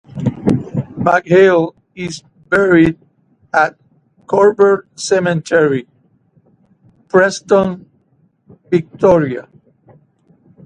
McHale is buried at Coburg Cemetery, Preston, Victoria.